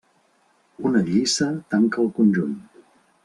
Una lliça tanca el conjunt.